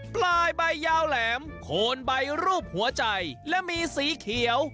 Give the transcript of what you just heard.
ปลายใบยาวแหลมโคนใบรูปหัวใจและมีสีเขียว